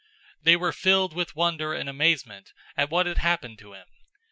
They were filled with wonder and amazement at what had happened to him.